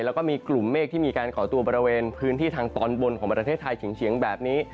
แล้วก็มีกลุ่มเมฆที่มีการก่อตัวบริเวณพื้นที่ทางตอนบนของประเทศไทยเฉียงแบบนี้